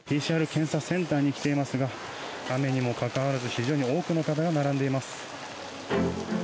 ＰＣＲ検査センターに来ていますが雨にもかかわらず非常に多くの方が並んでいます。